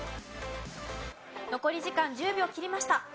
残り時間１０秒を切りました。